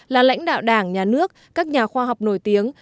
là lãnh đạo đảng nhà nước các nhà khoa học nổi tiếng